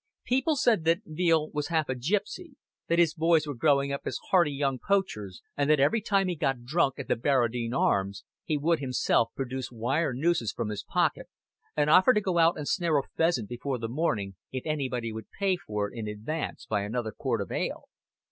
People said that Veale was half a gipsy, that his boys were growing up as hardy young poachers, and that every time he got drunk at the Barradine Arms he would himself produce wire nooses from his pocket, and offer to go out and snare a pheasant before the morning if anybody would pay for it in advance by another quart of ale.